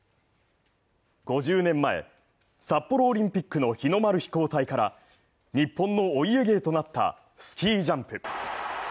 ５０年前、札幌オリンピックの日の丸飛行隊から日本のお家芸となったスキージャンプ。